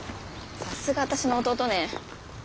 さすが私の弟ね。